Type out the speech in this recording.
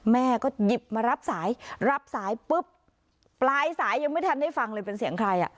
แม่ก็หยิบมารับสายรับสายปุ๊บปลายสายยังไม่ทันได้ฟังเลยเป็นเสียงใครอ่ะ